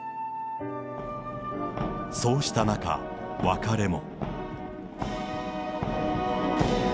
そうした中、別れも。